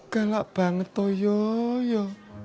galak banget tuh yoyo